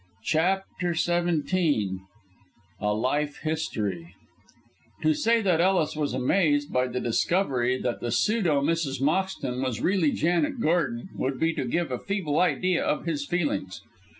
CHAPTER XVII A LIFE HISTORY To say that Ellis was amazed by the discovery that the pseudo Mrs. Moxton was really Janet Gordon, would be to give a feeble idea of his feelings.